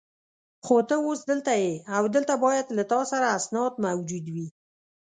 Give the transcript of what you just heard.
خو ته اوس دلته یې او دلته باید له تا سره اسناد موجود وي.